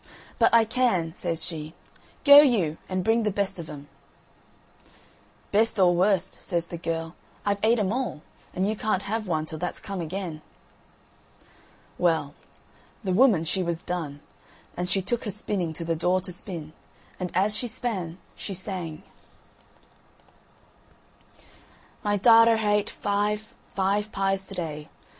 "But I can," says she. "Go you, and bring the best of 'em." "Best or worst," says the girl, "I've ate 'em all, and you can't have one till that's come again." Well, the woman she was done, and she took her spinning to the door to spin, and as she span she sang: "My darter ha' ate five, five pies to day.